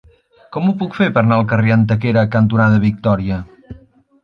Com ho puc fer per anar al carrer Antequera cantonada Victòria?